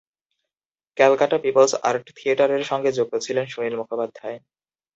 Calcutta people's art থিয়েটারের সঙ্গে যুক্ত ছিলেন সুনীল মুখোপাধ্যায়।